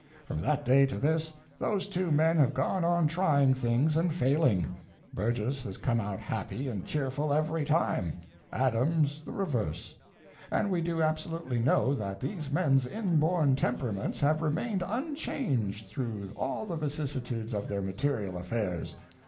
From that day to this, those two men have gone on trying things and failing: Burgess has come out happy and cheerful every time; Adams the reverse. And we do absolutely know that these men's inborn temperaments have remained unchanged through all the vicissitudes of their material affairs.